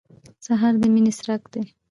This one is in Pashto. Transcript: سهار د مینې څرک دی.